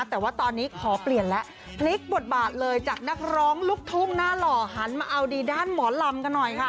แต่ว่าตอนนี้ขอเปลี่ยนแล้วพลิกบทบาทเลยจากนักร้องลูกทุ่งหน้าหล่อหันมาเอาดีด้านหมอลำกันหน่อยค่ะ